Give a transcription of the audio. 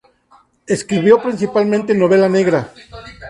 Escribió principalmente novela negra.